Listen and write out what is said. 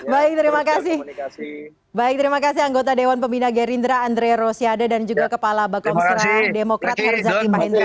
baik terima kasih baik terima kasih anggota dewan pembina gerindra andre rosiade dan juga kepala bakomsera demokrat herzaki mahendra